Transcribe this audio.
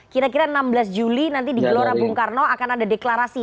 kira kira enam belas juli nanti di gelora bung karno akan ada deklarasi